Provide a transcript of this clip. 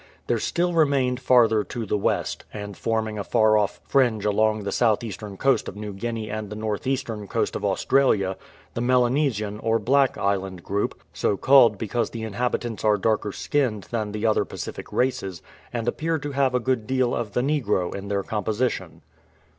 There still remained farther to the west, and forming a far off fringe aloncr the south eastern coast of New Guinea and the north eastern coast of Australia, the Melanesian or Black Island group, so called because the inhabitants are darker skinned than the other Pacific races and appear to have a good deal of the negro in their com' position.